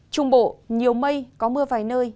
trung bộ nhiều mây có mưa vài nơi